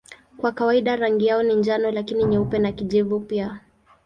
Kwa kawaida rangi yao ni njano lakini nyeupe na kijivu pia.